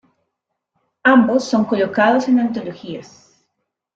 Ambos son colocados en antologías.